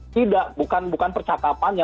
tidak bukan percakapannya